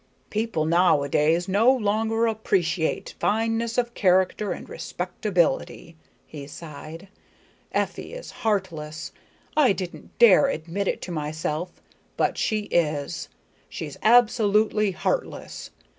"People now a days no longer appreciate fineness of character and respectability," he sighed. "Effie is heartless. I didn't dare admit it to myself, but she is, she's absolutely heartless.